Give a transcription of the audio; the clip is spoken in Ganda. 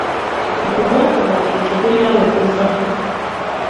Okugwakwo mu bintu kulina wekuva.